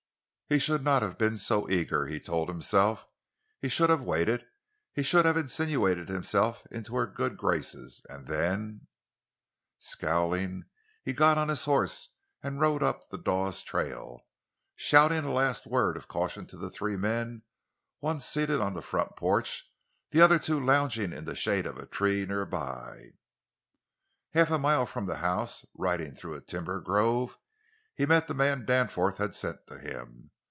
He should not have been so eager, he told himself; he should have waited; he should have insinuated himself into her good graces, and then—— Scowling, he got on his horse and rode up the Dawes trail, shouting a last word of caution to the three men—one seated on the front porch, the other two lounging in the shade of a tree near by. Half a mile from the house, riding through a timber grove, he met the man Danforth had sent to him.